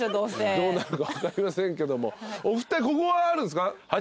どうなるか分かりませんけどもお二人ここはあるんすか？